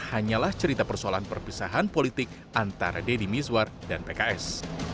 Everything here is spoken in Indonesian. hanyalah cerita persoalan perpisahan politik antara deddy mizwar dan pks